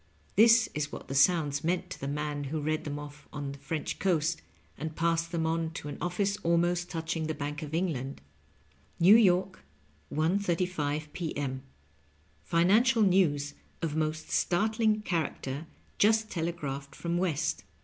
This is what the sounds meant to the man who read them ofiE on the French coast, and passed them on to an of&ce almost touching the Bank of England :" New York, 1.35 p. m. Financial news of most startling char acter jast telegraphed from West.